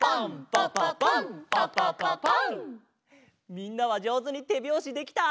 みんなはじょうずにてびょうしできた？